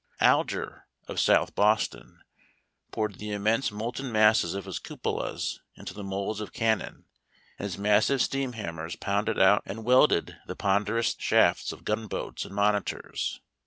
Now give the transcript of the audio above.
Alger, of South Boston, poured the immense molten masses of his cupolas into the moulds of cannon, and his massive steam hammers pounded out and welded the ponderous shafts of gunboats and monitors.